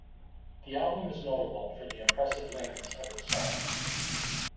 The album is notable for the impressive lengths of its songs.